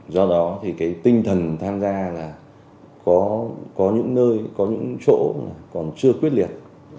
do đó thì cái tinh thần tham gia là có những nơi có những chỗ còn chưa quyết liệt